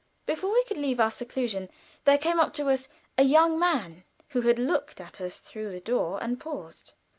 Before we could leave our seclusion there came up to us a young man who had looked at us through the door and paused.